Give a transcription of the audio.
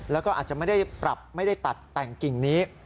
แล้วก็อาจจะไม่ได้ปรับไม่ได้ตัดแต่งกิ่งนี้